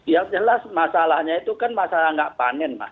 yang jelas masalahnya itu kan masalah nggak panen mas